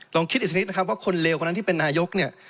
ลองคิดอีกสักนิดนะครับว่าคนเลวคนนั้นที่เป็นนายกเนี่ย